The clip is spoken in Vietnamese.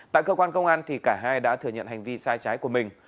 tại cơ quan công an cả hai đã thừa nhận hành vi sai trái của mình